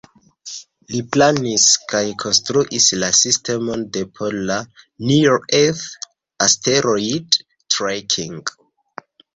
Li planis kaj konstruis la sistemon de por la "Near Earth Asteroid Tracking".